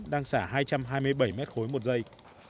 đang xả hai trăm hai mươi bảy m ba một giây